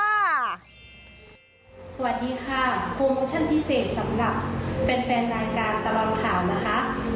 สวัสดีค่ะโปรโมชั่นพิเศษสำหรับแฟนรายการตลอดข่าวนะคะ